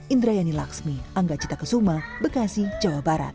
indrayani laksmi angga cita kesuma bekasi jawa barat